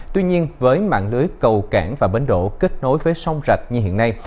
tuy nhiên với mạng lưới cầu cảng và bến đổ kết nối với sông rạch như hiện nay